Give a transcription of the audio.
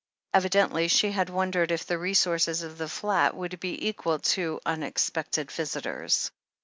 Evidently she had won dered if the resources of the flat would be equal to unex pected visitors.